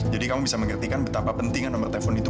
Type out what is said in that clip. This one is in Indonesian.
jadi kamu bisa mengertikan betapa pentingnya nomor telepon itu